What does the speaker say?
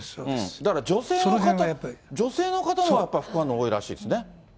だから、女性の方は副反応多いらしいですね。